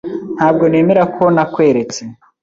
Ntabwo nemera ko nakweretse.